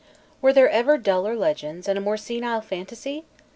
Were there ever duller legends and a more senile phantasy!